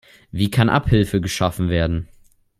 Wie kann Abhilfe geschaffen werden?